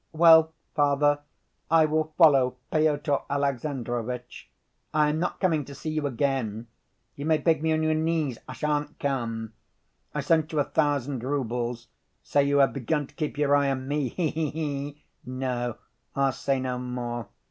"Well, Father, I will follow Pyotr Alexandrovitch! I am not coming to see you again. You may beg me on your knees, I shan't come. I sent you a thousand roubles, so you have begun to keep your eye on me. He he he! No, I'll say no more.